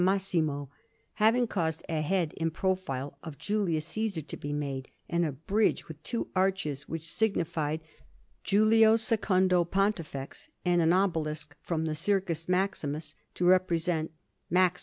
Massimo," having caused a head in profile of Julius Cæsar to be made, and a bridge, with two arches, which signified, "Julio II, Pont.," and an obelisk from the Circus Maximus, to represent "Max."